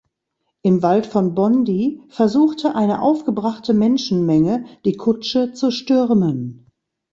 Im Wald von Bondy versuchte eine aufgebrachte Menschenmenge die Kutsche zu stürmen.